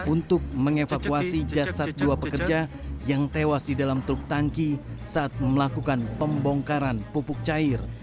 untuk mengevakuasi jasad dua pekerja yang tewas di dalam truk tangki saat melakukan pembongkaran pupuk cair